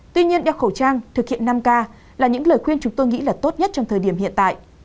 tuy nhiên đeo khẩu trang thực hiện năm k là những lời khuyên chúng tôi nghĩ là tốt nhất trong thời điểm hiện tại